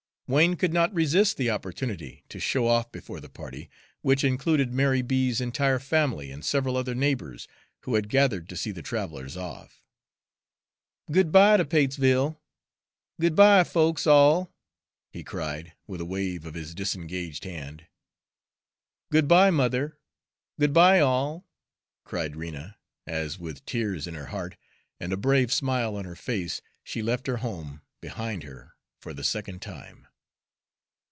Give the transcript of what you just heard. Wain could not resist the opportunity to show off before the party, which included Mary B.'s entire family and several other neighbors, who had gathered to see the travelers off. "Good by ter Patesville! Good by, folkses all!" he cried, with a wave of his disengaged hand. "Good by, mother! Good by, all!" cried Rena, as with tears in her heart and a brave smile on her face she left her home behind her for the second time.